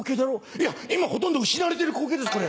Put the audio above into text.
「いや今ほとんど失われてる光景ですこれ。